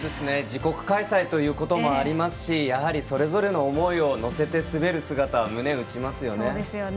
自国開催ということもありますしそれぞれの思いを乗せて滑る姿は胸を打ちますよね。